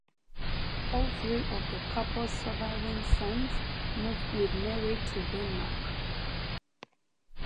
All three of the couple's surviving sons moved with Mary to Denmark.